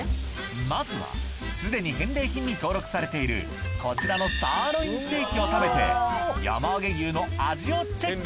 まずはすでに返礼品に登録されているこちらのを食べて山あげ牛の味をチェック！